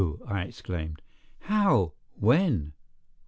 I exclaimed. "How? When?